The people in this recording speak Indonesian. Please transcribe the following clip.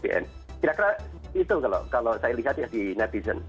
kira kira itu kalau saya lihat ya di netizen